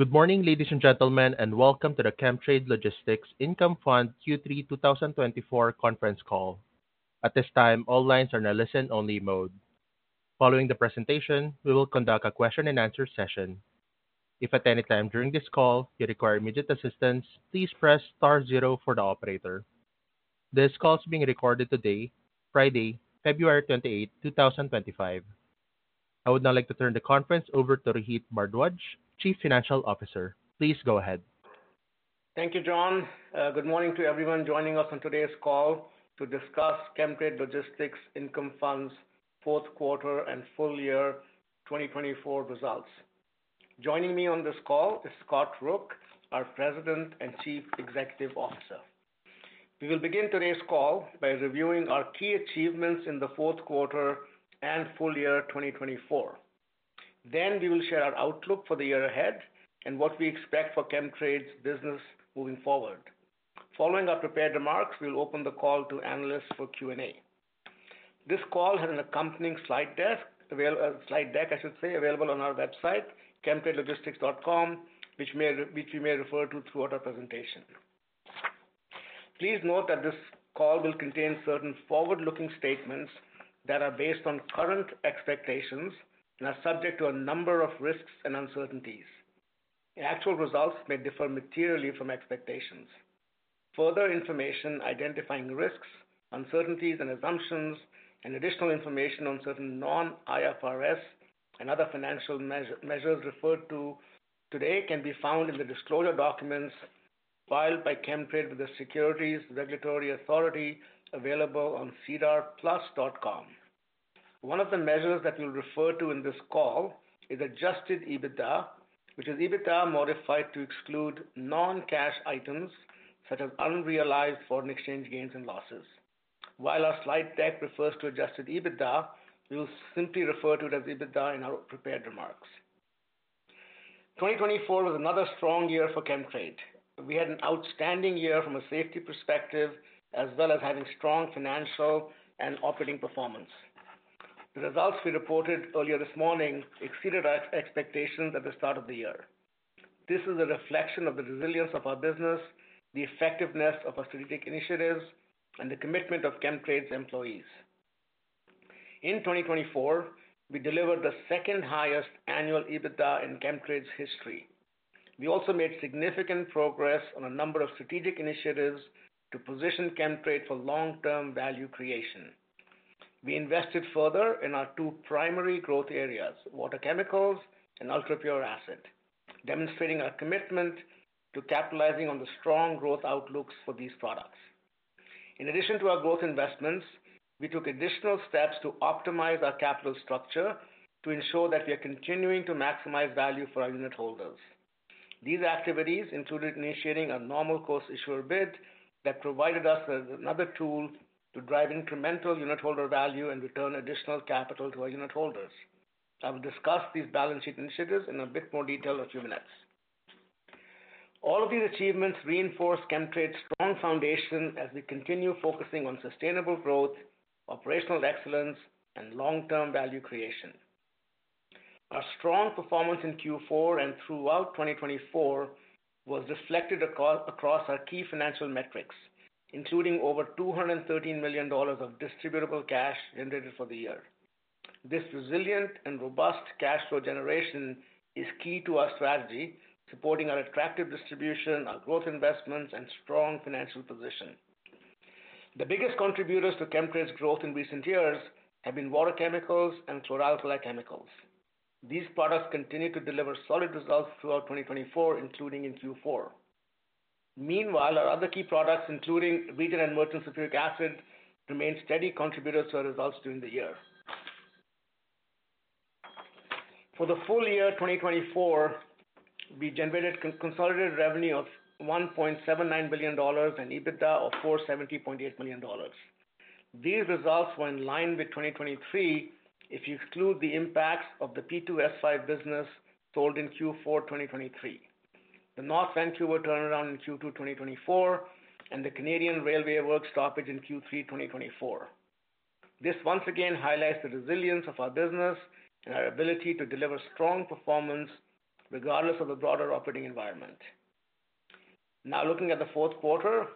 Good morning, ladies and gentlemen, and welcome to the Chemtrade Logistics Income Fund Q3 2024 conference call. At this time, all lines are in a listen-only mode. Following the presentation, we will conduct a question-and-answer session. If at any time during this call you require immediate assistance, please press star zero for the operator. This call is being recorded today, Friday, February 28, 2025. I would now like to turn the conference over to Rohit Bhardwaj, Chief Financial Officer. Please go ahead. Thank you, John. Good morning to everyone joining us on today's call to discuss Chemtrade Logistics Income Fund's fourth quarter and full year 2024 results. Joining me on this call is Scott Rook, our President and Chief Executive Officer. We will begin today's call by reviewing our key achievements in the fourth quarter and full year 2024. We will share our outlook for the year ahead and what we expect for Chemtrade's business moving forward. Following our prepared remarks, we will open the call to analysts for Q&A. This call has an accompanying slide deck, I should say, available on our website, chemtradelogistics.com, which we may refer to throughout our presentation. Please note that this call will contain certain forward-looking statements that are based on current expectations and are subject to a number of risks and uncertainties. Actual results may differ materially from expectations. Further information identifying risks, uncertainties, and assumptions, and additional information on certain non-IFRS and other financial measures referred to today can be found in the disclosure documents filed by Chemtrade with the Securities Regulatory Authority available on sedarplus.com. One of the measures that we'll refer to in this call is Adjusted EBITDA, which is EBITDA modified to exclude non-cash items such as unrealized foreign exchange gains and losses. While our slide deck refers to Adjusted EBITDA, we will simply refer to it as EBITDA in our prepared remarks. 2024 was another strong year for Chemtrade. We had an outstanding year from a safety perspective, as well as having strong financial and operating performance. The results we reported earlier this morning exceeded our expectations at the start of the year. This is a reflection of the resilience of our business, the effectiveness of our strategic initiatives, and the commitment of Chemtrade's employees. In 2024, we delivered the second-highest annual EBITDA in Chemtrade's history. We also made significant progress on a number of strategic initiatives to position Chemtrade for long-term value creation. We invested further in our two primary growth areas, water chemicals and ultra-pure acid, demonstrating our commitment to capitalizing on the strong growth outlooks for these products. In addition to our growth investments, we took additional steps to optimize our capital structure to ensure that we are continuing to maximize value for our unit holders. These activities included initiating a normal course issuer bid that provided us with another tool to drive incremental unit holder value and return additional capital to our unit holders. I will discuss these balance sheet initiatives in a bit more detail in a few minutes. All of these achievements reinforce Chemtrade's strong foundation as we continue focusing on sustainable growth, operational excellence, and long-term value creation. Our strong performance in Q4 and throughout 2024 was reflected across our key financial metrics, including over 213 million dollars of distributable cash generated for the year. This resilient and robust cash flow generation is key to our strategy, supporting our attractive distribution, our growth investments, and strong financial position. The biggest contributors to Chemtrade's growth in recent years have been water chemicals and chlor-alkali chemicals. These products continue to deliver solid results throughout 2024, including in Q4. Meanwhile, our other key products, including water and merchant sulfuric acid, remain steady contributors to our results during the year. For the full year 2024, we generated consolidated revenue of 1.79 billion dollars and EBITDA of 470.8 million dollars. These results were in line with 2023 if you exclude the impacts of the P2S5 business sold in Q4 2023, the North Vancouver turnaround in Q2 2024, and the Canadian Railway Works stoppage in Q3 2024. This once again highlights the resilience of our business and our ability to deliver strong performance regardless of the broader operating environment. Now, looking at the fourth quarter,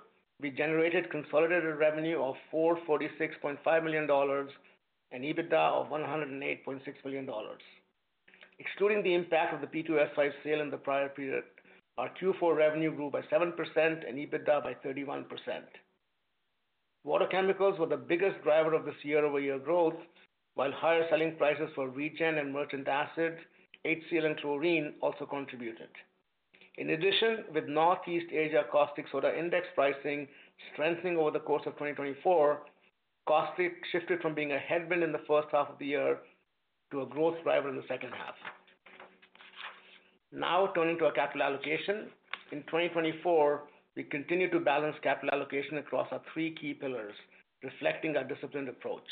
we generated consolidated revenue of 446.5 million dollars and EBITDA of 108.6 million dollars. Excluding the impact of the P2S5 sale in the prior period, our Q4 revenue grew by 7% and EBITDA by 31%. Water chemicals were the biggest driver of this year-over-year growth, while higher selling prices for wheat and emergent acid, HCl, and chlorine also contributed. In addition, with Northeast Asia Caustic Soda Index pricing strengthening over the course of 2024, caustic shifted from being a headwind in the first half of the year to a growth driver in the second half. Now turning to our capital allocation, in 2024, we continue to balance capital allocation across our three key pillars, reflecting our disciplined approach.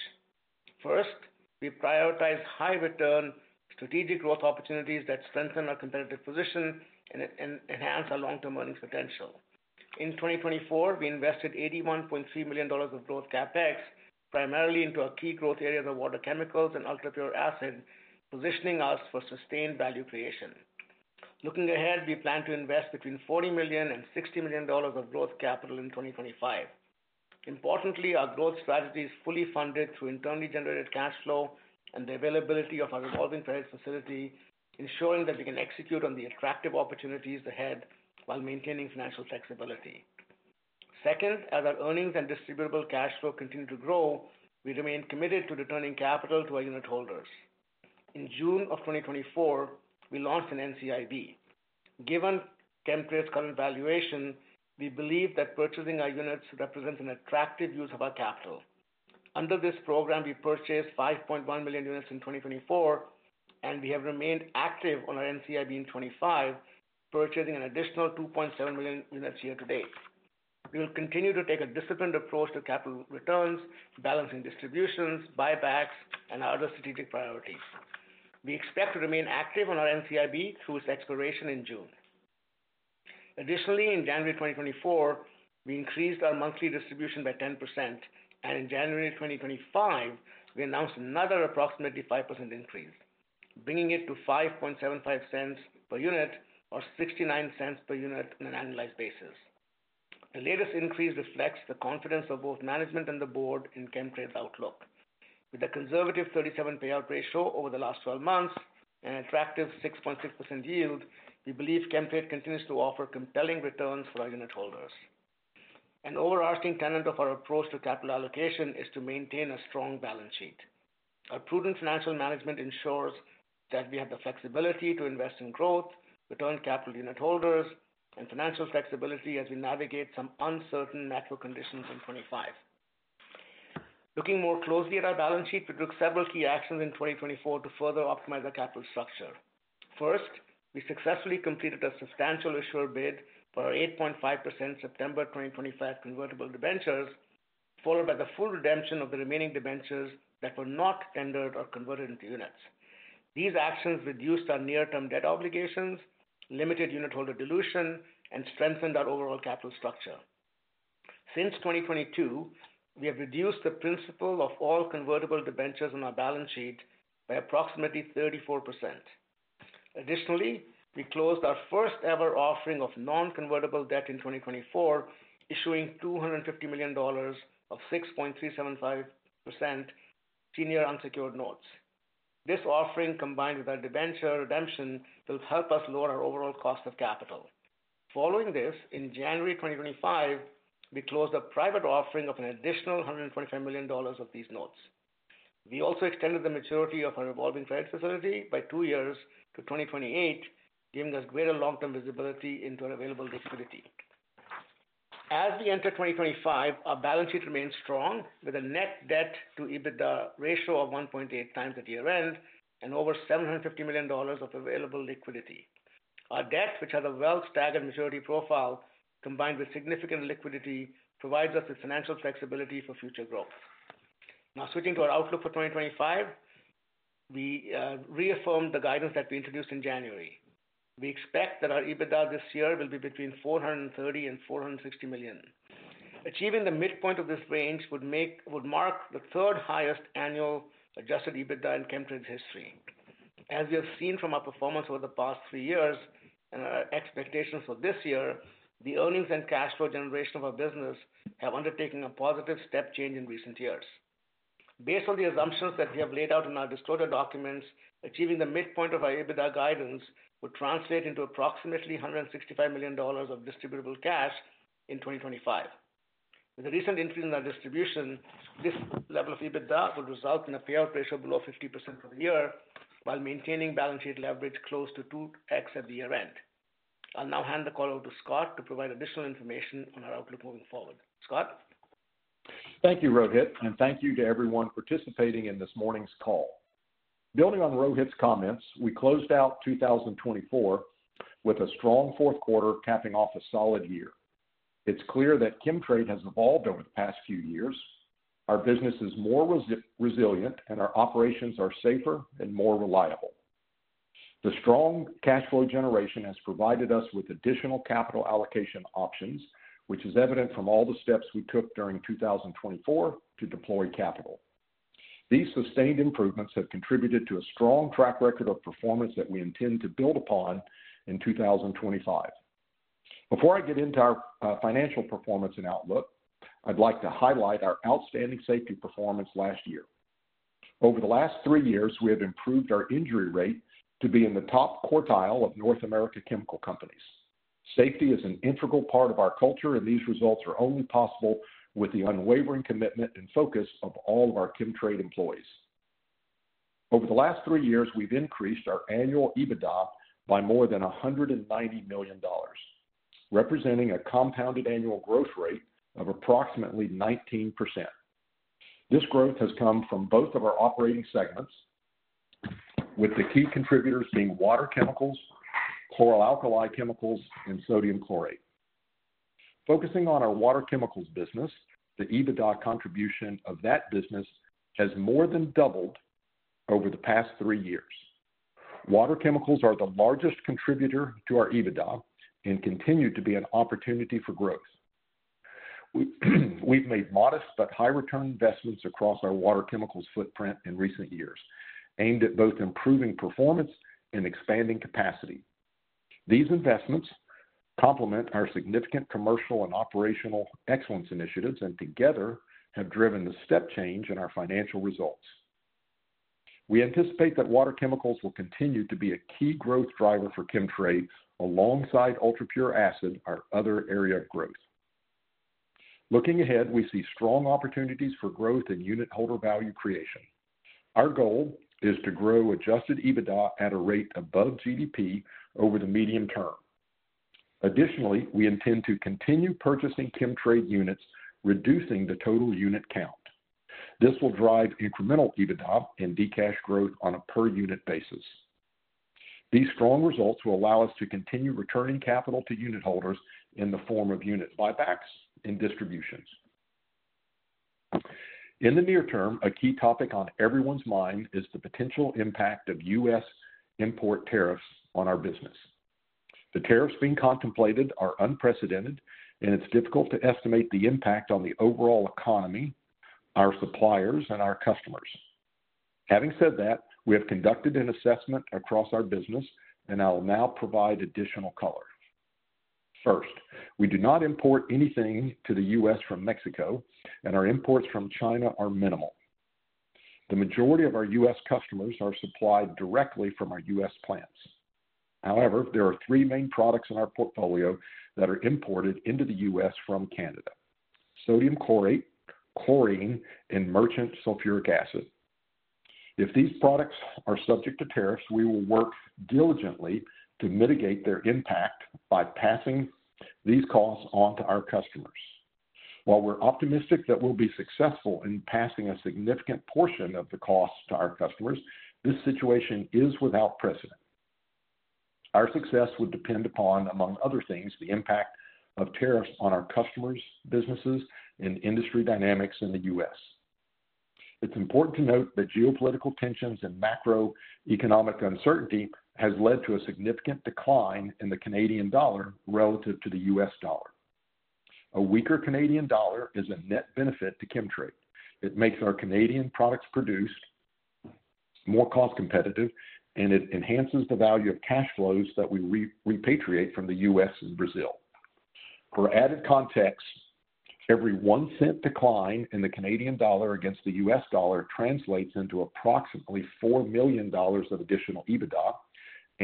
First, we prioritize high-return strategic growth opportunities that strengthen our competitive position and enhance our long-term earnings potential. In 2024, we invested 81.3 million dollars of growth CapEx primarily into our key growth areas of water chemicals and ultra-pure acid, positioning us for sustained value creation. Looking ahead, we plan to invest between 40 million and 60 million dollars of growth capital in 2025. Importantly, our growth strategy is fully funded through internally generated cash flow and the availability of our revolving finance facility, ensuring that we can execute on the attractive opportunities ahead while maintaining financial flexibility. Second, as our earnings and distributable cash flow continue to grow, we remain committed to returning capital to our unit holders. In June of 2024, we launched an NCIB. Given Chemtrade's current valuation, we believe that purchasing our units represents an attractive use of our capital. Under this program, we purchased 5.1 million units in 2024, and we have remained active on our NCIB in 2025, purchasing an additional 2.7 million units year to date. We will continue to take a disciplined approach to capital returns, balancing distributions, buybacks, and our other strategic priorities. We expect to remain active on our NCIB through its expiration in June. Additionally, in January 2024, we increased our monthly distribution by 10%, and in January 2025, we announced another approximately 5% increase, bringing it to 0.0575 per unit or 0.69 per unit on an annualized basis. The latest increase reflects the confidence of both management and the board in Chemtrade's outlook. With a conservative 37% payout ratio over the last 12 months and an attractive 6.6% yield, we believe Chemtrade continues to offer compelling returns for our unit holders. An overarching tenet of our approach to capital allocation is to maintain a strong balance sheet. Our prudent financial management ensures that we have the flexibility to invest in growth, return capital to unit holders, and financial flexibility as we navigate some uncertain natural conditions in 2025. Looking more closely at our balance sheet, we took several key actions in 2024 to further optimize our capital structure. First, we successfully completed a substantial issuer bid for our 8.5% September 2025 convertible debentures, followed by the full redemption of the remaining debentures that were not tendered or converted into units. These actions reduced our near-term debt obligations, limited unit holder dilution, and strengthened our overall capital structure. Since 2022, we have reduced the principal of all convertible debentures on our balance sheet by approximately 34%. Additionally, we closed our first-ever offering of non-convertible debt in 2024, issuing 250 million dollars of 6.375% senior unsecured notes. This offering, combined with our debenture redemption, will help us lower our overall cost of capital. Following this, in January 2025, we closed a private offering of an additional 125 million dollars of these notes. We also extended the maturity of our revolving finance facility by two years to 2028, giving us greater long-term visibility into our available liquidity. As we enter 2025, our balance sheet remains strong, with a Net Debt/EBITDA ratio of 1.8 times at year-end and over 750 million dollars of available liquidity. Our debt, which has a well-staggered maturity profile combined with significant liquidity, provides us with financial flexibility for future growth. Now, switching to our outlook for 2025, we reaffirmed the guidance that we introduced in January. We expect that our EBITDA this year will be between 430 million and 460 million. Achieving the midpoint of this range would mark the third-highest annual Adjusted EBITDA in Chemtrade's history. As we have seen from our performance over the past three years and our expectations for this year, the earnings and cash flow generation of our business have undertaken a positive step change in recent years. Based on the assumptions that we have laid out in our disclosure documents, achieving the midpoint of our EBITDA guidance would translate into approximately 165 million dollars of distributable cash in 2025. With the recent increase in our distribution, this level of EBITDA would result in a payout ratio below 50% for the year, while maintaining balance sheet leverage close to 2x at the year-end. I'll now hand the call over to Scott to provide additional information on our outlook moving forward. Scott? Thank you, Rohit, and thank you to everyone participating in this morning's call. Building on Rohit's comments, we closed out 2024 with a strong fourth quarter, capping off a solid year. It is clear that Chemtrade has evolved over the past few years. Our business is more resilient, and our operations are safer and more reliable. The strong cash flow generation has provided us with additional capital allocation options, which is evident from all the steps we took during 2024 to deploy capital. These sustained improvements have contributed to a strong track record of performance that we intend to build upon in 2025. Before I get into our financial performance and outlook, I would like to highlight our outstanding safety performance last year. Over the last three years, we have improved our injury rate to be in the top quartile of North America chemical companies. Safety is an integral part of our culture, and these results are only possible with the unwavering commitment and focus of all of our Chemtrade employees. Over the last three years, we've increased our annual EBITDA by more than 190 million dollars, representing a compounded annual growth rate of approximately 19%. This growth has come from both of our operating segments, with the key contributors being water chemicals, chlor-alkali chemicals, and sodium chlorate. Focusing on our water chemicals business, the EBITDA contribution of that business has more than doubled over the past three years. Water chemicals are the largest contributor to our EBITDA and continue to be an opportunity for growth. We've made modest but high-return investments across our water chemicals footprint in recent years, aimed at both improving performance and expanding capacity. These investments complement our significant commercial and operational excellence initiatives and together have driven the step change in our financial results. We anticipate that water chemicals will continue to be a key growth driver for Chemtrade alongside ultra-pure acid, our other area of growth. Looking ahead, we see strong opportunities for growth and unit holder value creation. Our goal is to grow Adjusted EBITDA at a rate above GDP over the medium term. Additionally, we intend to continue purchasing Chemtrade units, reducing the total unit count. This will drive incremental EBITDA and decash growth on a per-unit basis. These strong results will allow us to continue returning capital to unit holders in the form of unit buybacks and distributions. In the near term, a key topic on everyone's mind is the potential impact of U.S. import tariffs on our business. The tariffs being contemplated are unprecedented, and it's difficult to estimate the impact on the overall economy, our suppliers, and our customers. Having said that, we have conducted an assessment across our business, and I'll now provide additional color. First, we do not import anything to the U.S. from Mexico, and our imports from China are minimal. The majority of our U.S. customers are supplied directly from our U.S. plants. However, there are three main products in our portfolio that are imported into the U.S. from Canada: sodium chlorate, chlorine, and emergent sulfuric acid. If these products are subject to tariffs, we will work diligently to mitigate their impact by passing these costs on to our customers. While we're optimistic that we'll be successful in passing a significant portion of the costs to our customers, this situation is without precedent. Our success would depend upon, among other things, the impact of tariffs on our customers' businesses and industry dynamics in the U.S. It's important to note that geopolitical tensions and macroeconomic uncertainty have led to a significant decline in the Canadian dollar relative to the U.S. dollar. A weaker Canadian dollar is a net benefit to Chemtrade. It makes our Canadian products produced more cost-competitive, and it enhances the value of cash flows that we repatriate from the U.S. and Brazil. For added context, every one-cent decline in the Canadian dollar against the U.S. dollar translates into 4 million dollars of additional EBITDA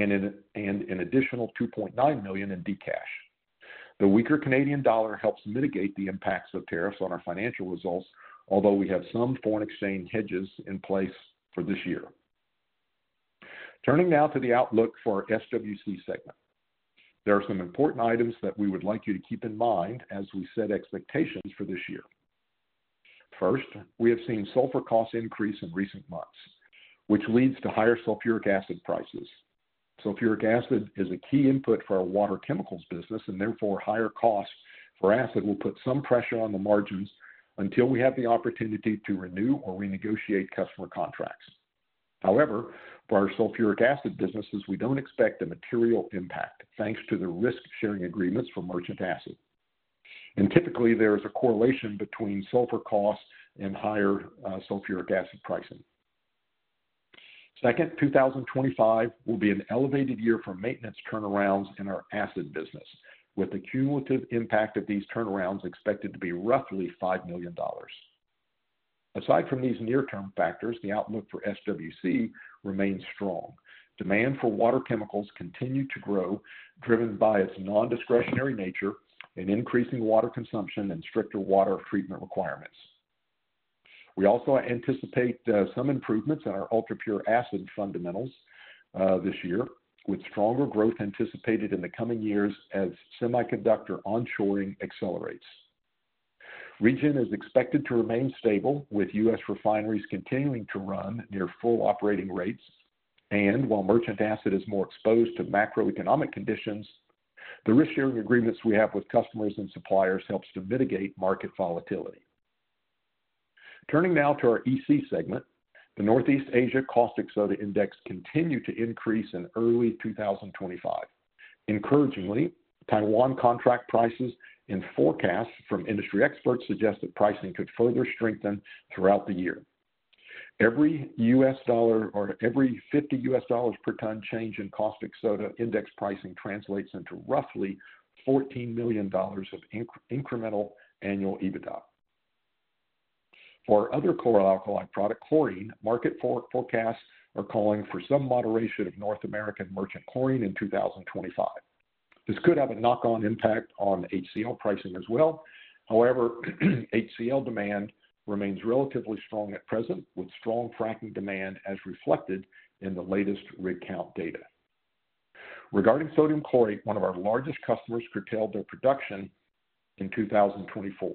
and an 2.9 million in decash. The weaker Canadian dollar helps mitigate the impacts of tariffs on our financial results, although we have some foreign exchange hedges in place for this year. Turning now to the outlook for our SWC segment, there are some important items that we would like you to keep in mind as we set expectations for this year. First, we have seen sulfur costs increase in recent months, which leads to higher sulfuric acid prices. Sulfuric acid is a key input for our water chemicals business, and therefore higher costs for acid will put some pressure on the margins until we have the opportunity to renew or renegotiate customer contracts. However, for our sulfuric acid businesses, we do not expect a material impact, thanks to the risk-sharing agreements for merchant acid. Typically, there is a correlation between sulfur costs and higher sulfuric acid pricing. Second, 2025 will be an elevated year for maintenance turnarounds in our acid business, with the cumulative impact of these turnarounds expected to be roughly 5 million dollars. Aside from these near-term factors, the outlook for SWC remains strong. Demand for water chemicals continues to grow, driven by its non-discretionary nature and increasing water consumption and stricter water treatment requirements. We also anticipate some improvements in our ultra-pure acid fundamentals this year, with stronger growth anticipated in the coming years as semiconductor onshoring accelerates. Region is expected to remain stable, with U.S. refineries continuing to run near full operating rates, and while merchant acid is more exposed to macroeconomic conditions, the risk-sharing agreements we have with customers and suppliers help to mitigate market volatility. Turning now to our EC segment, the Northeast Asia Caustic Soda Index continued to increase in early 2025. Encouragingly, Taiwan contract prices and forecasts from industry experts suggest that pricing could further strengthen throughout the year. Every U.S. dollar or every CAD 50. Per ton change in Cuastic Soda Index pricing translates into CAD 14 million of incremental annual EBITDA. For our other chlor-alkali product, chlorine, market forecasts are calling for some moderation of North American merchant chlorine in 2025. This could have a knock-on impact on HCl pricing as well. However, HCl demand remains relatively strong at present, with strong fracking demand as reflected in the latest rig count data. Regarding sodium chlorate, one of our largest customers curtailed their production in 2024.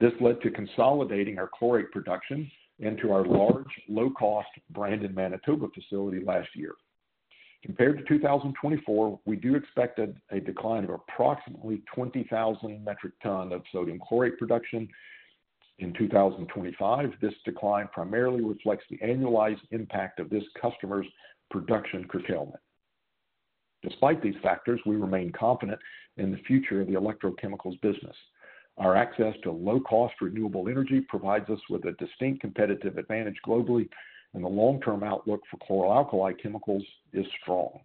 This led to consolidating our chlorate production into our large, low-cost Brandon, Manitoba facility last year. Compared to 2024, we do expect a decline of approximately 20,000 metric tons of sodium chlorate production in 2025. This decline primarily reflects the annualized impact of this customer's production curtailment. Despite these factors, we remain confident in the future of the electrochemicals business. Our access to low-cost renewable energy provides us with a distinct competitive advantage globally, and the long-term outlook for chlor-alkali chemicals is strong.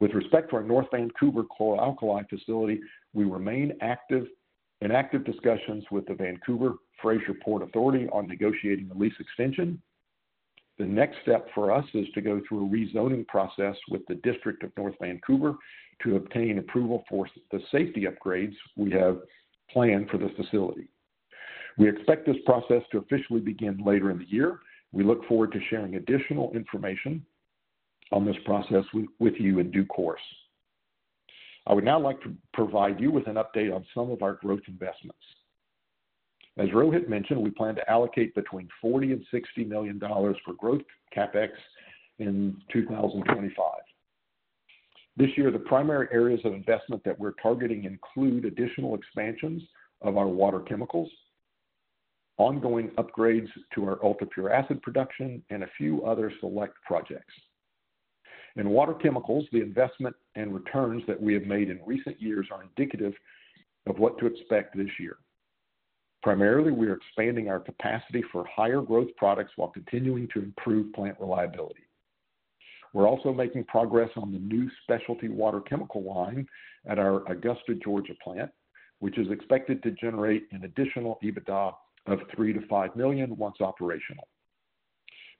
With respect to our North Vancouver chlor-alkali facility, we remain in active discussions with the Vancouver Fraser Port Authority on negotiating the lease extension. The next step for us is to go through a rezoning process with the District of North Vancouver to obtain approval for the safety upgrades we have planned for the facility. We expect this process to officially begin later in the year. We look forward to sharing additional information on this process with you in due course. I would now like to provide you with an update on some of our growth investments. As Rohit mentioned, we plan to allocate between 40 million and 60 million dollars for growth CapEx in 2025. This year, the primary areas of investment that we're targeting include additional expansions of our water chemicals, ongoing upgrades to our ultra-pure acid production, and a few other select projects. In water chemicals, the investment and returns that we have made in recent years are indicative of what to expect this year. Primarily, we are expanding our capacity for higher growth products while continuing to improve plant reliability. We're also making progress on the new specialty water chemical line at our Augusta, Georgia plant, which is expected to generate an additional EBITDA 3 million-5 million once operational.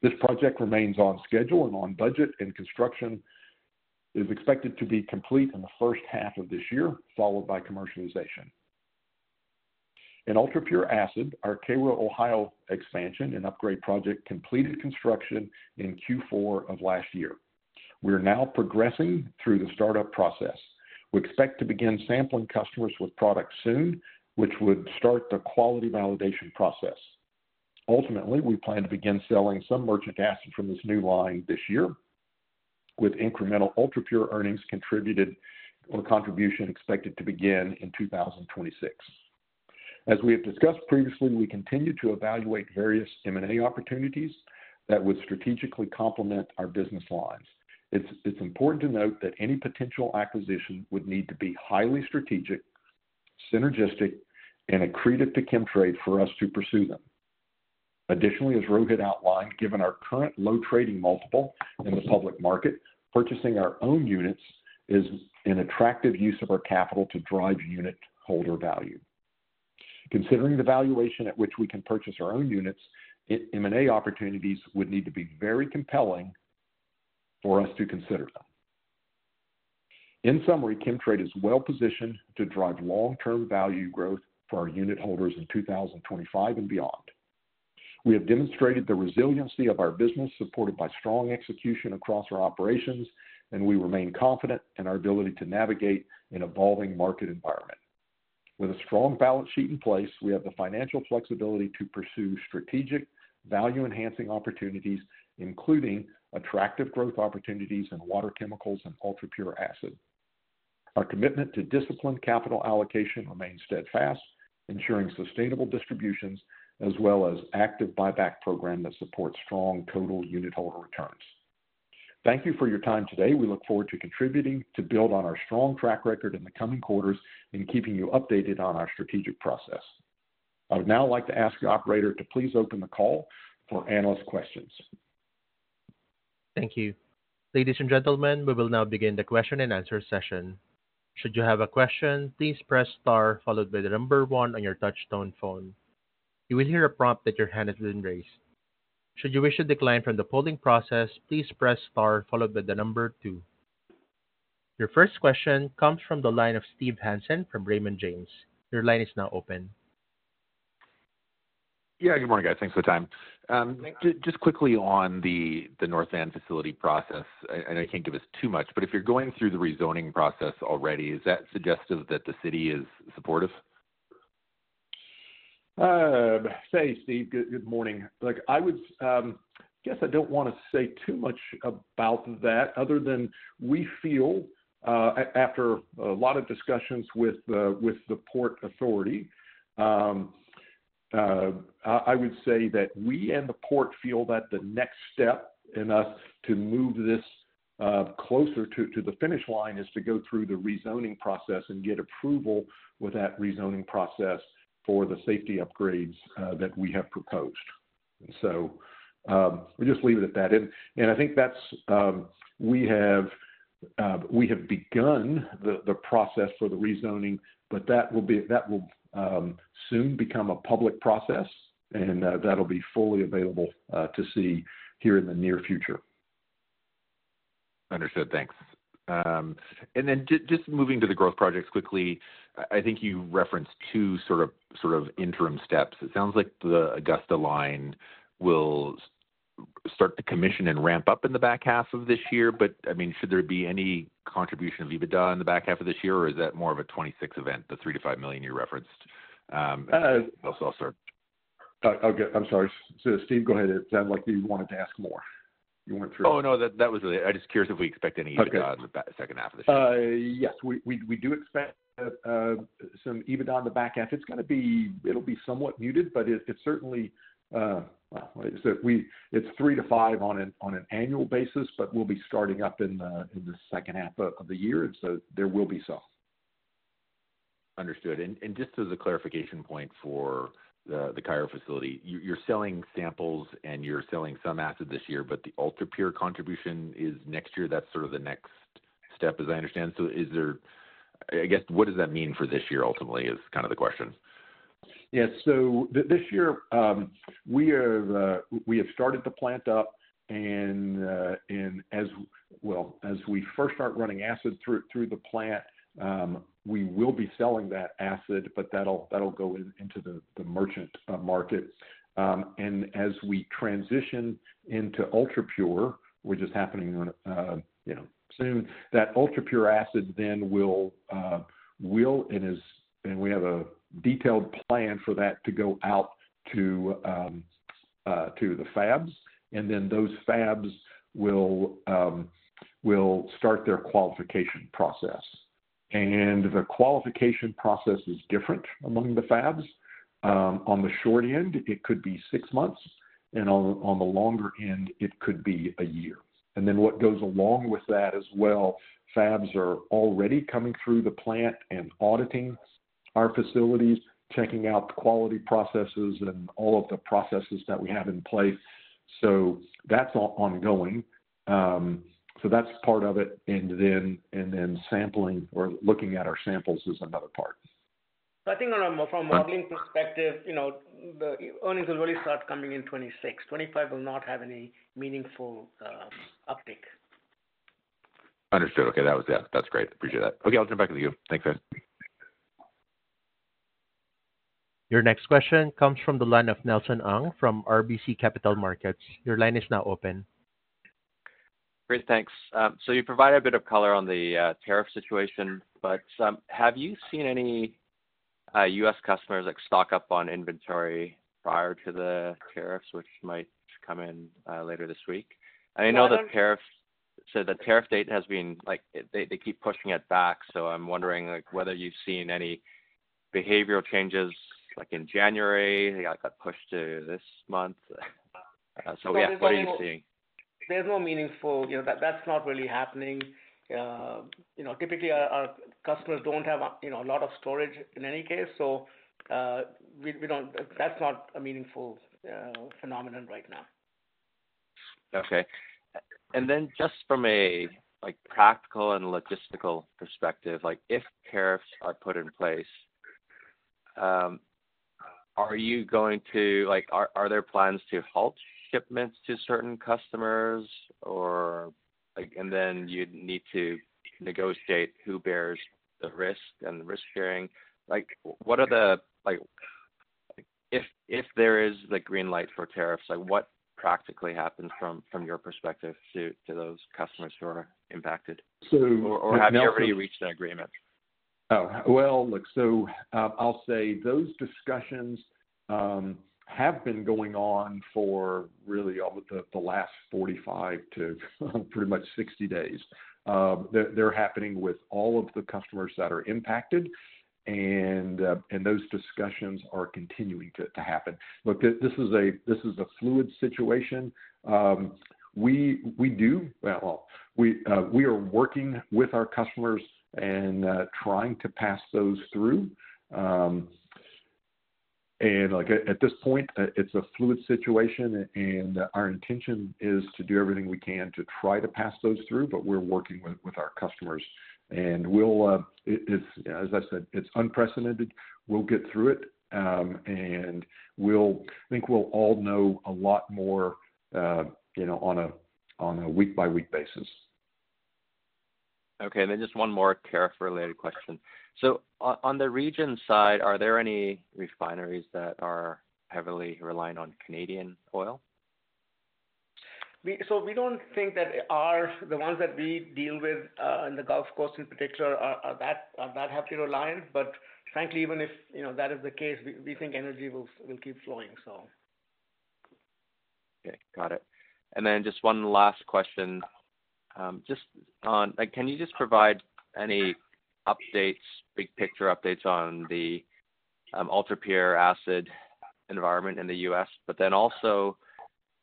This project remains on schedule and on budget, and construction is expected to be complete in the first half of this year, followed by commercialization. In ultra-pure acid, our Cairo, Ohio expansion and upgrade project completed construction in Q4 of last year. We are now progressing through the startup process. We expect to begin sampling customers with products soon, which would start the quality validation process. Ultimately, we plan to begin selling some merchant acid from this new line this year, with incremental ultra-pure earnings contributed or contribution expected to begin in 2026. As we have discussed previously, we continue to evaluate various M&A opportunities that would strategically complement our business lines. It's important to note that any potential acquisition would need to be highly strategic, synergistic, and accretive to Chemtrade for us to pursue them. Additionally, as Rohit outlined, given our current low trading multiple in the public market, purchasing our own units is an attractive use of our capital to drive unit holder value. Considering the valuation at which we can purchase our own units, M&A opportunities would need to be very compelling for us to consider them. In summary, Chemtrade is well positioned to drive long-term value growth for our unit holders in 2025 and beyond. We have demonstrated the resiliency of our business supported by strong execution across our operations, and we remain confident in our ability to navigate an evolving market environment. With a strong balance sheet in place, we have the financial flexibility to pursue strategic value-enhancing opportunities, including attractive growth opportunities in water chemicals and ultra-pure acid. Our commitment to disciplined capital allocation remains steadfast, ensuring sustainable distributions as well as an active buyback program that supports strong total unit holder returns. Thank you for your time today. We look forward to contributing to build on our strong track record in the coming quarters and keeping you updated on our strategic process. I would now like to ask the operator to please open the call for analyst questions. Thank you. Ladies and gentlemen, we will now begin the question and answer session. Should you have a question, please press star, followed by the number one on your touchstone phone. You will hear a prompt that your hand has been raised. Should you wish to decline from the polling process, please press star, followed by the number two. Your first question comes from the line of Steve Hansen from Raymond James. Your line is now open. Yeah, good morning, guys. Thanks for the time. Just quickly on the North Vancouver facility process, I know you can't give us too much, but if you're going through the rezoning process already, is that suggestive that the city is supportive? Hey, Steve, good morning. I guess I do not want to say too much about that other than we feel, after a lot of discussions with the Port Authority, I would say that we and the Port feel that the next step in us to move this closer to the finish line is to go through the rezoning process and get approval with that rezoning process for the safety upgrades that we have proposed. We will just leave it at that. I think we have begun the process for the rezoning, but that will soon become a public process, and that will be fully available to see here in the near future. Understood. Thanks. Just moving to the growth projects quickly, I think you referenced two sort of interim steps. It sounds like the Augusta line will start to commission and ramp up in the back half of this year, but I mean, should there be any contribution of EBITDA in the back half of this year, or is that more of a 2026 event, 3 million-5 million you referenced? I'll start. I'm sorry. Steve, go ahead. It sounded like you wanted to ask more. You went through. Oh, no, that was it. I'm just curious if we expect any EBITDA in the second half of this year. Yes, we do expect some EBITDA in the back half. It's going to be somewhat muted, but it's certainly, well, 3 million-5 million on an annual basis, but we'll be starting up in the second half of the year, and so there will be some. Understood. Just as a clarification point for the Cairo facility, you're selling samples and you're selling some acid this year, but the ultra-pure contribution is next year. That's sort of the next step, as I understand. I guess, what does that mean for this year, ultimately, is kind of the question. Yes. This year, we have started the plant up, and as we first start running acid through the plant, we will be selling that acid, but that'll go into the merchant market. As we transition into ultra-pure, which is happening soon, that ultra-pure acid then will, and we have a detailed plan for that to go out to the fabs, and then those fabs will start their qualification process. The qualification process is different among the fabs. On the short end, it could be six months, and on the longer end, it could be a year. What goes along with that as well, fabs are already coming through the plant and auditing our facilities, checking out quality processes and all of the processes that we have in place. That is ongoing. That is part of it. Sampling or looking at our samples is another part. I think from a modeling perspective, the earnings will really start coming in 2026. 2025 will not have any meaningful uptake. Understood. Okay. That is great. Appreciate that. Okay. I will turn back to you. Thanks, guys. Your next question comes from the line of Nelson Ng from RBC Capital Markets. Your line is now open. Great. Thanks. You provided a bit of color on the tariff situation, but have you seen any U.S. Customers stock up on inventory prior to the tariffs, which might come in later this week? I know that tariffs, so the tariff date has been, they keep pushing it back, so I'm wondering whether you've seen any behavioral changes in January. They got pushed to this month. What are you seeing? There's no meaningful, that's not really happening. Typically, our customers don't have a lot of storage in any case, so that's not a meaningful phenomenon right now. Okay. Just from a practical and logistical perspective, if tariffs are put in place, are you going to, are there plans to halt shipments to certain customers, and then you'd need to negotiate who bears the risk and the risk-sharing? What are the, if there is a green light for tariffs, what practically happens from your perspective to those customers who are impacted? Have you already reached an agreement? Look, I'll say those discussions have been going on for really the last 45 days to pretty much 60 days. They're happening with all of the customers that are impacted, and those discussions are continuing to happen. This is a fluid situation. We are working with our customers and trying to pass those through. At this point, it's a fluid situation, and our intention is to do everything we can to try to pass those through, but we're working with our customers. As I said, it's unprecedented. We'll get through it, and I think we'll all know a lot more on a week-by-week basis. Okay. Just one more tariff-related question. On the region side, are there any refineries that are heavily reliant on Canadian oil? We do not think that the ones that we deal with in the Gulf Coast in particular are that heavily reliant, but frankly, even if that is the case, we think energy will keep flowing. Okay. Got it. Just one last question. Can you just provide any updates, big-picture updates on the ultra-pure acid environment in the U.S., but then also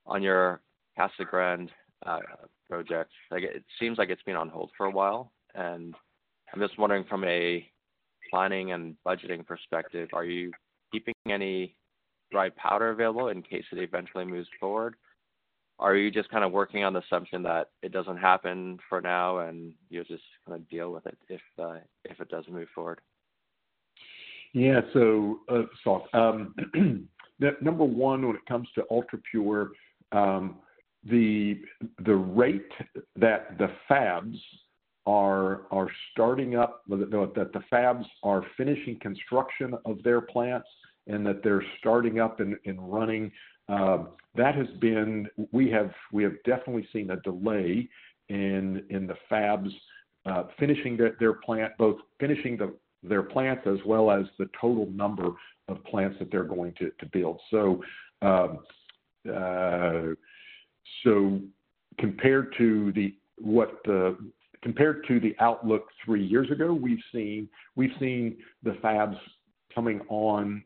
on your Casa Grande project? It seems like it has been on hold for a while, and I am just wondering from a planning and budgeting perspective, are you keeping any dry powder available in case it eventually moves forward? Are you just kind of working on the assumption that it does not happen for now and you will just kind of deal with it if it does move forward? Yeah. Number one, when it comes to ultra-pure, the rate that the fabs are starting up, that the fabs are finishing construction of their plants and that they're starting up and running, that has been, we have definitely seen a delay in the fabs finishing their plant, both finishing their plants as well as the total number of plants that they're going to build. Compared to the outlook three years ago, we've seen the fabs coming on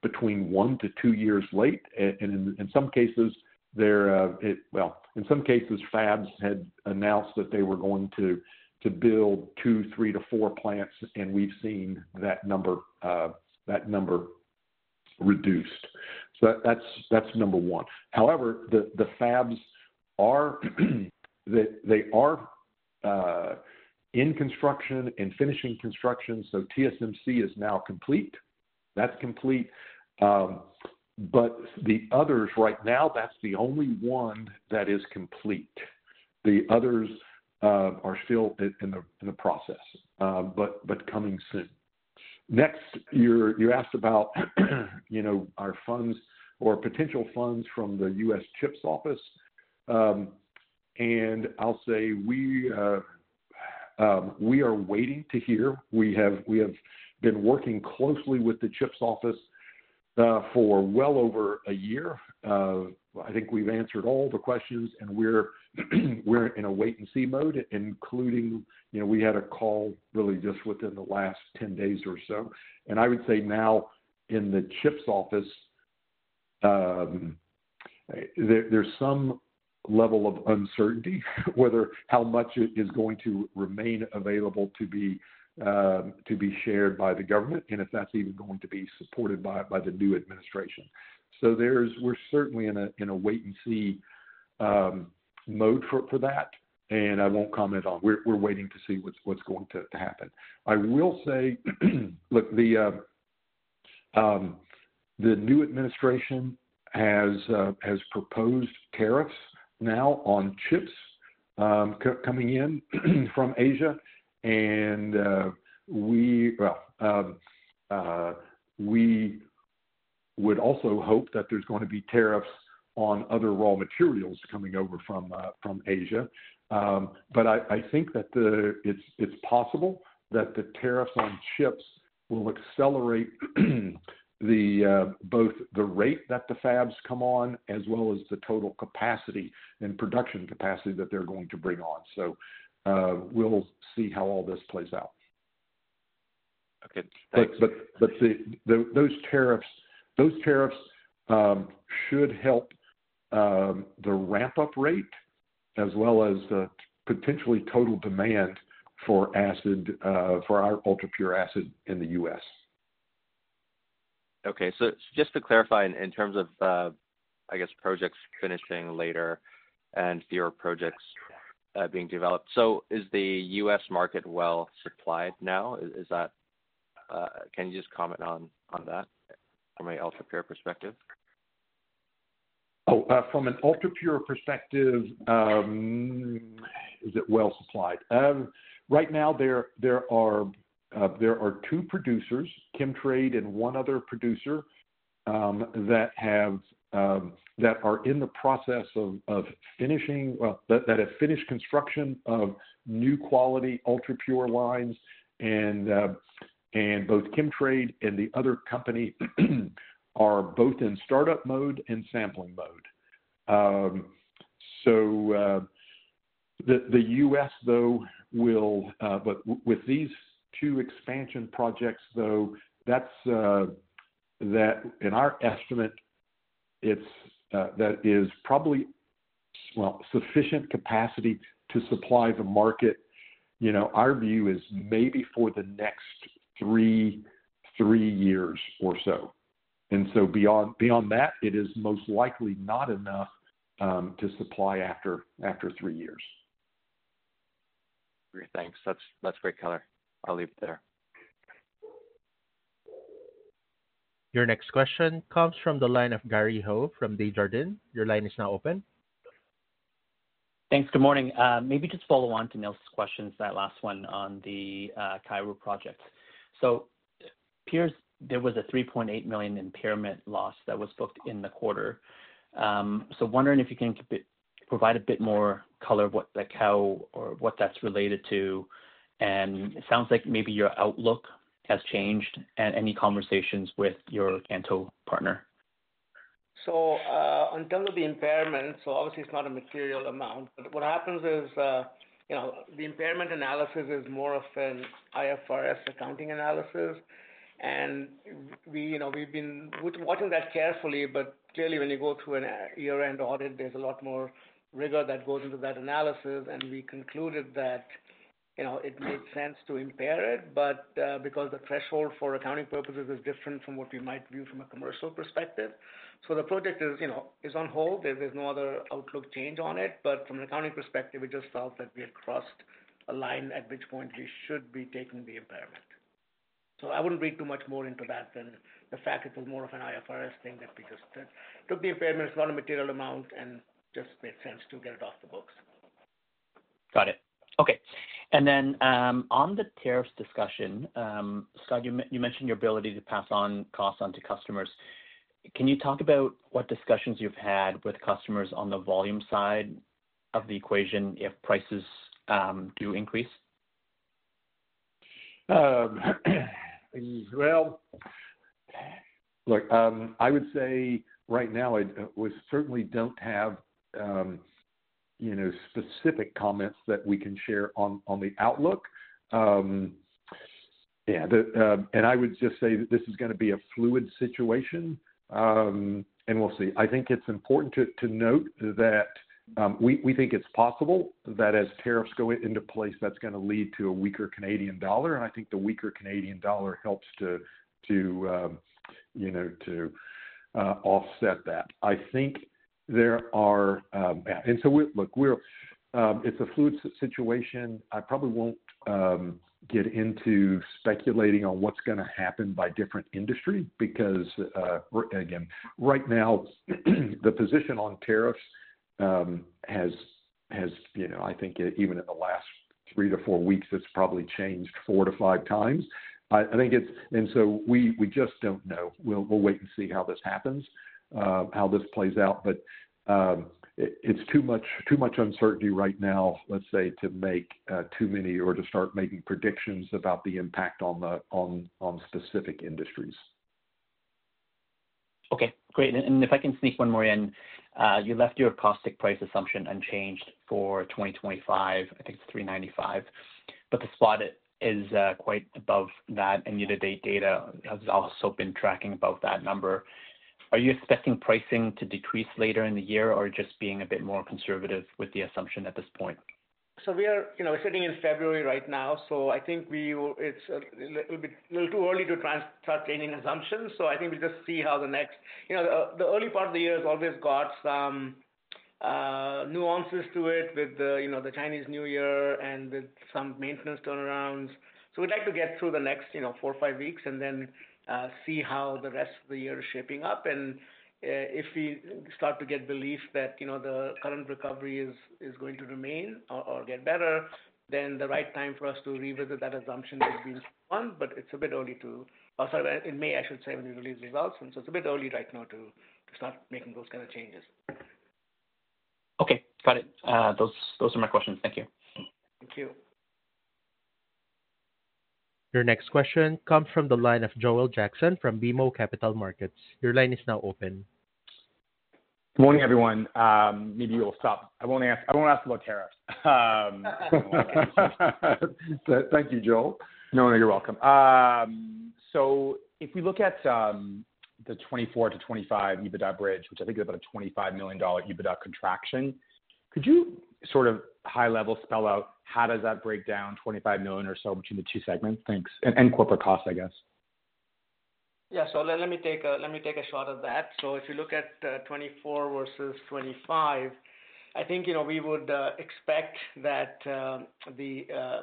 between one to two years late. In some cases, fabs had announced that they were going to build two, three, to four plants, and we've seen that number reduced. That's number one. However, the fabs, they are in construction and finishing construction. TSMC is now complete. That's complete. The others, right now, that's the only one that is complete. The others are still in the process, but coming soon. Next, you asked about our funds or potential funds from the U.S. CHIPS Office, and I'll say we are waiting to hear. We have been working closely with the CHIPS Office for well over a year. I think we've answered all the questions, and we're in a wait-and-see mode, including we had a call really just within the last 10 days or so. I would say now in the CHIPS Office, there's some level of uncertainty whether how much is going to remain available to be shared by the government and if that's even going to be supported by the new administration. We are certainly in a wait-and-see mode for that, and I won't comment on we're waiting to see what's going to happen. I will say, look, the new administration has proposed tariffs now on CHIPS coming in from Asia, and we would also hope that there is going to be tariffs on other raw materials coming over from Asia. I think that it is possible that the tariffs on CHIPS will accelerate both the rate that the fabs come on as well as the total capacity and production capacity that they are going to bring on. We will see how all this plays out. Thanks. Those tariffs should help the ramp-up rate as well as the potentially total demand for our ultra-pure acid in the U.S. To clarify, in terms of, I guess, projects finishing later and fewer projects being developed, is the U.S. market well supplied now? Can you comment on that from an ultra-pure perspective? From an ultra-pure perspective, is it well supplied? Right now, there are two producers, Chemtrade and one other producer, that are in the process of finishing, that have finished construction of new quality ultra-pure lines, and both Chemtrade and the other company are both in startup mode and sampling mode. The U.S., though, will with these two expansion projects, that's in our estimate, that is probably, sufficient capacity to supply the market. Our view is maybe for the next three years or so. Beyond that, it is most likely not enough to supply after three years. Great. Thanks. That's great color. I'll leave it there. Your next question comes from the line of Gary Ho, from Desjardins. Your line is now open. Thanks. Good morning. Maybe just follow on to Nelson's question, that last one on the Cairo project. There was a 3.8 million impairment loss that was booked in the quarter. I am wondering if you can provide a bit more color of what that is related to, and it sounds like maybe your outlook has changed and any conversations with your Kanto partner. In terms of the impairment, obviously, it is not a material amount, but what happens is the impairment analysis is more of an IFRS accounting analysis, and we have been watching that carefully. Clearly, when you go through a year-end audit, there is a lot more rigor that goes into that analysis, and we concluded that it made sense to impair it because the threshold for accounting purposes is different from what we might view from a commercial perspective. The project is on hold. There's no other outlook change on it, but from an accounting perspective, it just felt that we had crossed a line at which point we should be taking the impairment. I wouldn't read too much more into that than the fact it was more of an IFRS thing that we just took the impairment. It's not a material amount, and it just made sense to get it off the books. Got it. Okay. On the tariffs discussion, Scott, you mentioned your ability to pass on costs onto customers. Can you talk about what discussions you've had with customers on the volume side of the equation if prices do increase? I would say right now, we certainly don't have specific comments that we can share on the outlook. I would just say that this is going to be a fluid situation, and we'll see. I think it's important to note that we think it's possible that as tariffs go into place, that's going to lead to a weaker Canadian dollar, and I think the weaker Canadian dollar helps to offset that. I think there are, and look, it's a fluid situation. I probably won't get into speculating on what's going to happen by different industries because, again, right now, the position on tariffs has, I think, even in the last three to four weeks, it's probably changed four to five times. I think it's, and so we just don't know. We'll wait and see how this happens, how this plays out, but it's too much uncertainty right now, let's say, to make too many or to start making predictions about the impact on specific industries. Okay. Great. If I can sneak one more in, you left your caustic price assumption unchanged for 2025. I think 3.95, but the spot is quite above that, and year-to-date data has also been tracking above that number. Are you expecting pricing to decrease later in the year or just being a bit more conservative with the assumption at this point? We are sitting in February right now, so I think it's a little too early to start making assumptions. I think we'll just see how the next—the early part of the year has always got some nuances to it with the Chinese New Year and with some maintenance turnarounds. We'd like to get through the next four or five weeks and then see how the rest of the year is shaping up. If we start to get belief that the current recovery is going to remain or get better, then the right time for us to revisit that assumption has been one, but it is a bit early to—sorry, in May, I should say, when we release results. It is a bit early right now to start making those kinds of changes. Okay. Got it. Those are my questions. Thank you. Thank you. Your next question comes from the line of Joel Jackson from BMO Capital Markets. Your line is now open. Good morning, everyone. Maybe you will stop. I will not ask about tariffs. Thank you, Joel. No, no, you are welcome. If we look at the 2024 to 2025 EBITDA bridge, which I think is about 25 million dollar EBITDA contraction, could you sort of high-level spell out how does that break 25 million or so, between the two segments? Thanks. Corporate costs, I guess. Yeah. Let me take a shot at that. If you look at 2024 versus 2025, I think we would expect that the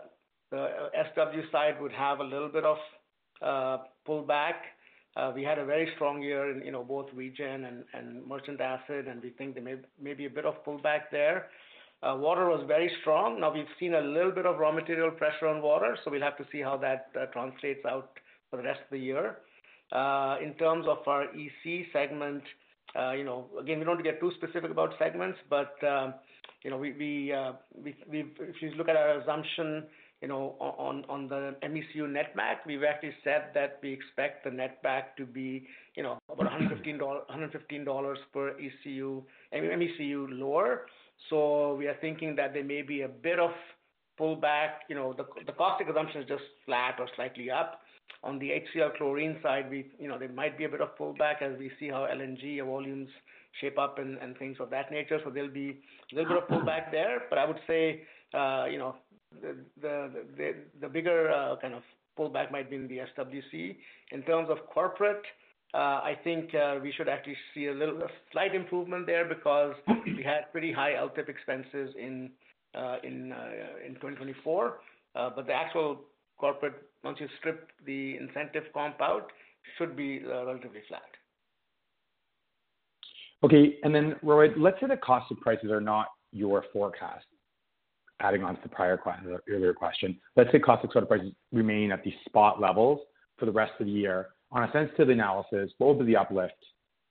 SW side would have a little bit of pullback. We had a very strong year in both region and merchant asset, and we think there may be a bit of pullback there. Water was very strong. Now, we have seen a little bit of raw material pressure on water, so we will have to see how that translates out for the rest of the year. In terms of our EC segment, again, we do not get too specific about segments, but if you look at our assumption on the MECU net back, we have actually said that we expect the net back to be 115 dollars per ECU, MECU lower. We are thinking that there may be a bit of pullback. The caustic assumption is just flat or slightly up. On the HCl chlorine side, there might be a bit of pullback as we see how LNG volumes shape up and things of that nature. There will be a little bit of pullback there, but I would say the bigger kind of pullback might be in the SWC. In terms of corporate, I think we should actually see a slight improvement there because we had pretty high LTIP expenses in 2024, but the actual corporate, once you strip the incentive comp out, should be relatively flat. Okay. Roit, let's say the caustic prices are not your forecast, adding on to the earlier question. Let's say caustic sort of prices remain at these spot levels for the rest of the year. On a sensitive analysis, what would be the uplift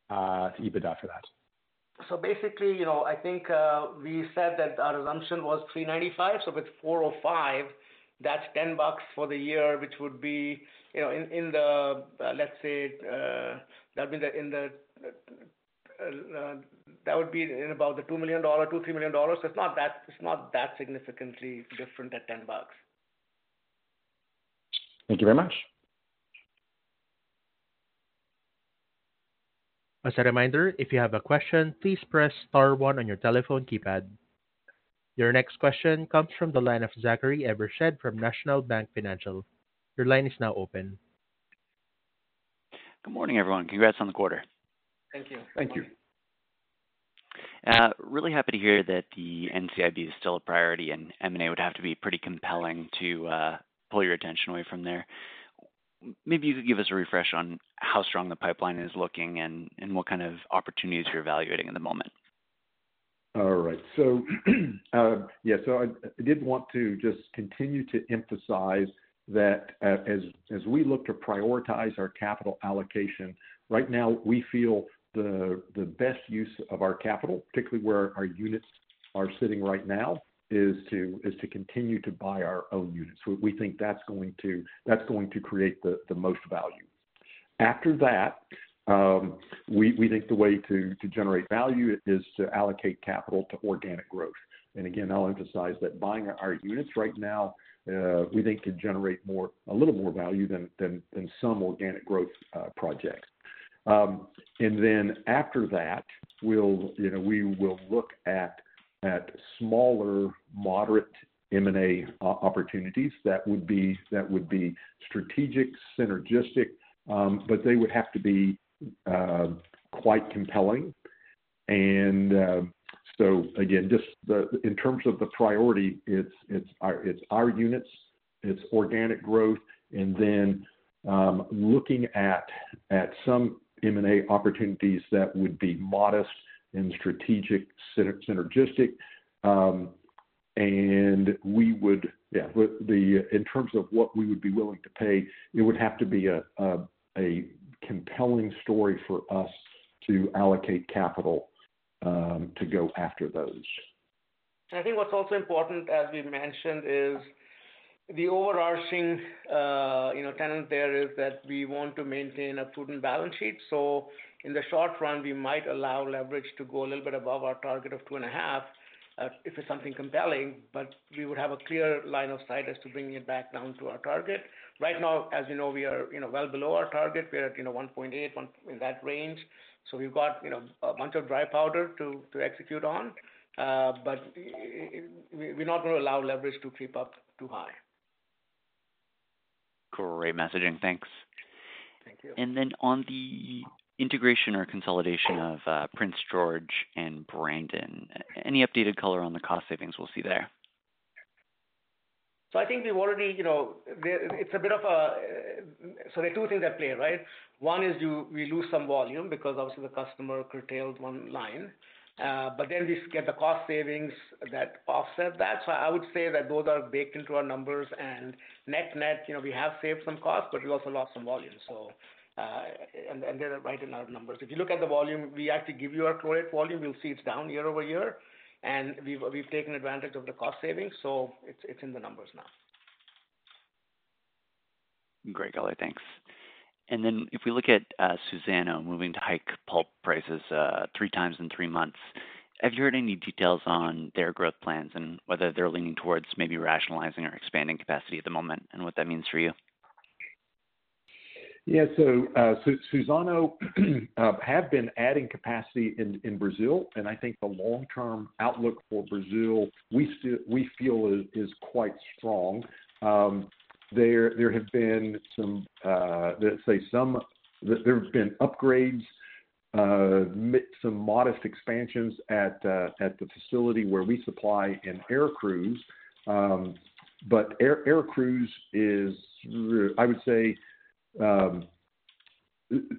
to EBITDA for that? I think we said that our assumption was 3.95, so with 4.05, that's 10 bucks for the year, which would be in the, let's say, that would be in about the 2 2 million-3 million dollar. It's not that significantly different at 10 bucks. Thank you very much. As a reminder, if you have a question, please press star one on your telephone keypad. Your next question comes from the line of Zachary Evershed from National Bank Financial. Your line is now open. Good morning, everyone. Congrats on the quarter. Thank you. Thank you. Really happy to hear that the NCIB is still a priority and M&A would have to be pretty compelling to pull your attention away from there. Maybe you could give us a refresh on how strong the pipeline is looking and what kind of opportunities you're evaluating at the moment. All right. I did want to just continue to emphasize that as we look to prioritize our capital allocation, right now, we feel the best use of our capital, particularly where our units are sitting right now, is to continue to buy our own units. We think that's going to create the most value. After that, we think the way to generate value is to allocate capital to organic growth. Again, I'll emphasize that buying our units right now, we think, could generate a little more value than some organic growth projects. After that, we will look at smaller, moderate M&A opportunities that would be strategic, synergistic, but they would have to be quite compelling. Just in terms of the priority, it's our units, it's organic growth, and then looking at some M&A opportunities that would be modest and strategic, synergistic. Yeah, in terms of what we would be willing to pay, it would have to be a compelling story for us to allocate capital to go after those. I think what's also important, as we mentioned, is the overarching tenet there is that we want to maintain a prudent balance sheet. In the short run, we might allow leverage to go a little bit above our target of 2.5 if it's something compelling, but we would have a clear line of sight as to bringing it back down to our target. Right now, as you know, we are well below our target. We're at 1.8, in that range. We have got a bunch of dry powder to execute on, but we are not going to allow leverage to creep up too high. Great messaging. Thanks. Thank you. On the integration or consolidation of Prince George and Brandon, any updated color on the cost savings we will see there? I think we have already—it is a bit of a—there are two things at play, right? One is we lose some volume because, obviously, the customer curtailed one line, but then we get the cost savings that offset that. I would say that those are baked into our numbers, and net, we have saved some costs, but we also lost some volume. They are right in our numbers. If you look at the volume, we actually give you our chlorate volume, you'll see it's down year over year, and we've taken advantage of the cost savings, so it's in the numbers now. Great, thanks. If we look at Suzano moving to hike pulp prices three times in three months, have you heard any details on their growth plans and whether they're leaning towards maybe rationalizing or expanding capacity at the moment and what that means for you? Yeah. Suzano have been adding capacity in Brazil, and I think the long-term outlook for Brazil, we feel, is quite strong. There have been some—let's say some—there have been upgrades, some modest expansions at the facility where we supply in Aracruz. Aracruz is, I would say,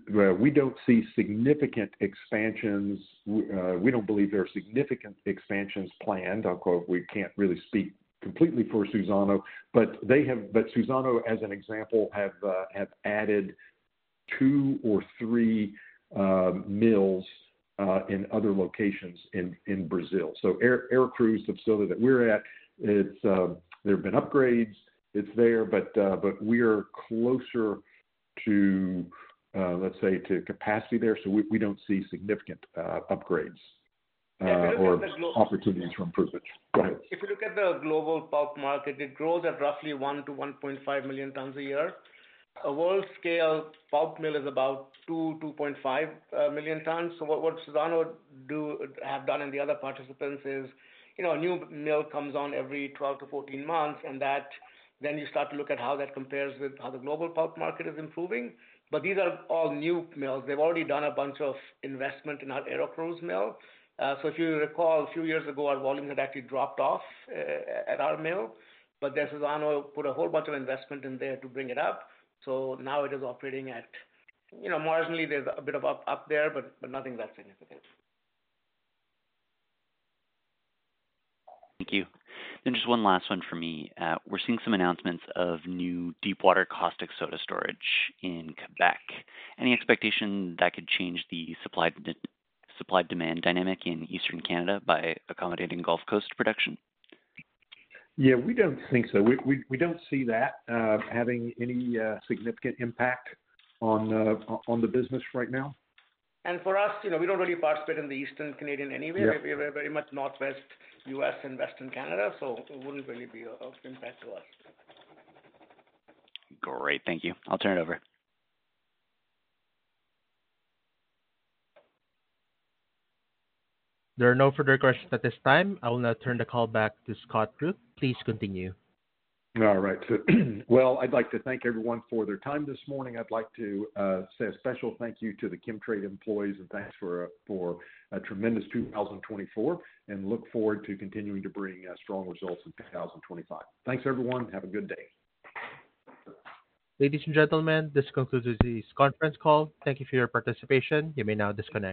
we don't see significant expansions. We don't believe there are significant expansions planned. We can't really speak completely for Suzano, but Suzano, as an example, have added two or three mills in other locations in Brazil. So Aracruz, the facility that we're at, there have been upgrades. It's there, but we are closer to, let's say, to capacity there, so we don't see significant upgrades or opportunities for improvement. Go ahead. If you look at the global pulp market, it grows at roughly 1-1.5 million tons a year. A world-scale pulp mill is about 2-2.5 million tons. So what Suzano have done and the other participants is a new mill comes on every 12-14 months, and then you start to look at how that compares with how the global pulp market is improving. But these are all new mills. They've already done a bunch of investment in our Aracruz mill. If you recall, a few years ago, our volumes had actually dropped off at our mill, but then Suzano put a whole bunch of investment in there to bring it up. Now it is operating at marginally, there's a bit of up there, but nothing that significant. Thank you. Just one last one for me. We're seeing some announcements of new deep-water caustic soda storage in Quebec. Any expectation that could change the supply-demand dynamic in Eastern Canada by accommodating Gulf Coast production? We don't think so. We don't see that having any significant impact on the business right now. For us, we don't really participate in the Eastern Canadian anyway. We're very much Northwest U.S. and Western Canada, so it wouldn't really be of impact to us. Great. Thank you. I'll turn it over. There are no further questions at this time. I will now turn the call back to Scott Rook. Please continue. All right. I would like to thank everyone for their time this morning. I would like to say a special thank you to the Chemtrade employees, and thanks for a tremendous 2024, and look forward to continuing to bring strong results in 2025. Thanks, everyone. Have a good day. Ladies and gentlemen, this concludes today's conference call. Thank you for your participation. You may now disconnect.